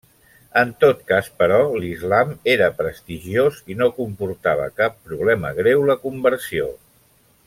En tot cas però l'islam era prestigiós i no comportava cap problema greu la conversió.